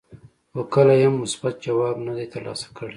خو کله یې هم مثبت ځواب نه دی ترلاسه کړی.